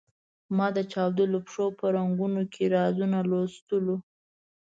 ما د چاودلو پښو په رنګونو کې رازونه لوستلو.